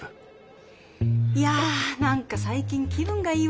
いや何か最近気分がいいわ。